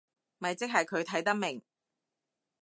咪即係佢睇得明